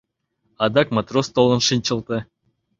Адак матрос толын шинчылте.